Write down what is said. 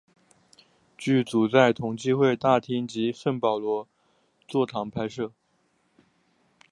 剧组在共济会大厅及圣保罗座堂拍摄。